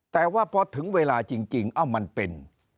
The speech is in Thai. แต่ว่าพอถึงเวลาจริงเอ้ามันเป็น